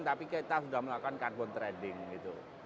tapi kita sudah melakukan carbon trading gitu